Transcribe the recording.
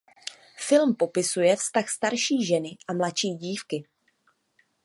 Film popisuje vztah starší ženy a mladší dívky.